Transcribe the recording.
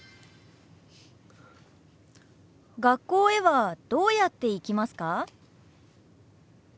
学校へはどうやって行きますか？